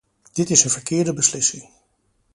Dit is een verkeerde beslissing.